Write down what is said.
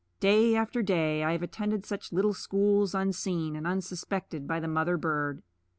Day after day I have attended such little schools unseen and unsuspected by the mother bird.